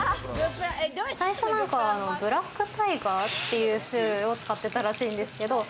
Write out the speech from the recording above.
最初何か、ブラックタイガーっていう種類を使ってたらしいんですけど。